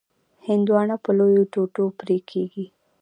هندوانه په لویو ټوټو پرې کېږي.